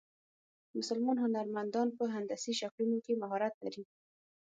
مسلمان هنرمندان په هندسي شکلونو کې مهارت لري.